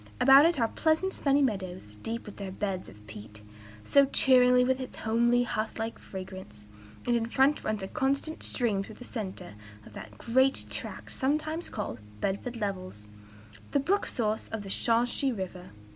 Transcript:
About it are pleasant sunny meadows, deep with their beds of peat, so cheering with its homely, hearth like fragrance; and in front runs a constant stream through the centre of that great tract sometimes called 'Bedford levels,' the brook a source of the Shawsheen River."